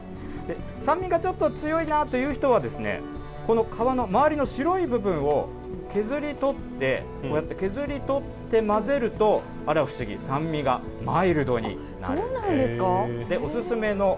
酸味がちょっと強いなという人は、この皮の周りの白い部分を削り取って、こうやって削り取って混ぜると、あら不思議、酸味がマイルドになるんです。